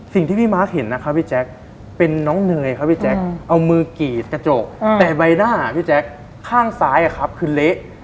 สิ่งที่พี่มาร์คเห็นนะครับพี่แจ๊คเป็นน้องเนยครับพี่แจ๊คเอามือกรีดกระจกแต่ใบหน้าพี่แจ๊คข้างซ้ายคือเละ